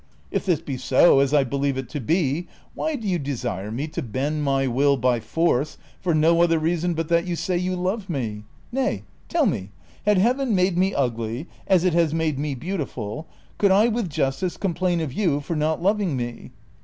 If this be so, as I be lieve it to be, why do you desire me to bend my will by force, for no other reason but that you say you love me ? Nay — tell me — had Heaven made me ugly, as it has made me beautiful, could I with justice complain of you for not loving me